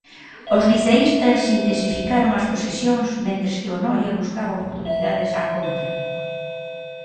Os liceístas intensificaron as posesións mentres que o Noia buscaba oportunidades á contra.